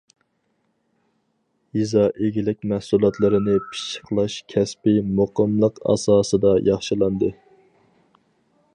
يېزا ئىگىلىك مەھسۇلاتلىرىنى پىششىقلاش كەسپى مۇقىملىق ئاساسىدا ياخشىلاندى.